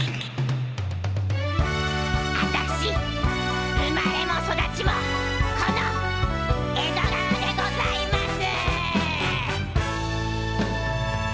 あたし生まれも育ちもこの江戸川でございます。